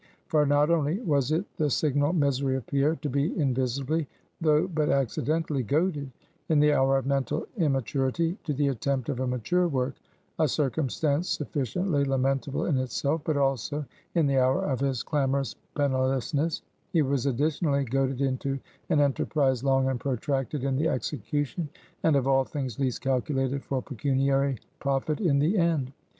For not only was it the signal misery of Pierre, to be invisibly though but accidentally goaded, in the hour of mental immaturity, to the attempt at a mature work, a circumstance sufficiently lamentable in itself; but also, in the hour of his clamorous pennilessness, he was additionally goaded into an enterprise long and protracted in the execution, and of all things least calculated for pecuniary profit in the end.